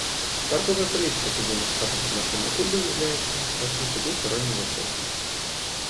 Торговая политика Соединенных Штатов в отношении Кубы является, по сути, двусторонним вопросом.